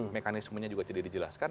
mekanismenya juga tidak dijelaskan